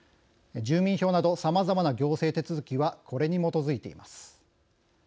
住民票などさまざまな行政手続きはこれに基づいています。